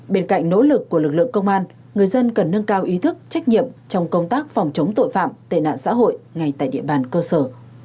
bên cạnh nỗ lực của lực lượng công an người dân cần nâng cao ý thức trách nhiệm trong công tác phòng chống tội phạm tệ nạn xã hội ngay tại địa bàn cơ sở